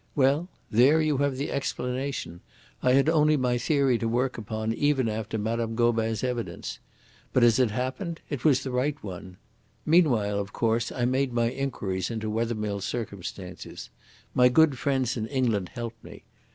Well, there you have the explanation. I had only my theory to work upon even after Mme. Gobin's evidence. But as it happened it was the right one. Meanwhile, of course, I made my inquiries into Wethermill's circumstances. My good friends in England helped me.